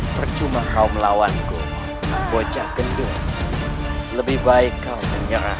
percuma kaum lawanku boceng gendut lebih baik kau menyerah